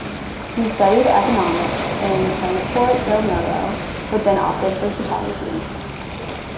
He studied economics in Fráncfort del Melo, but then opted for photography.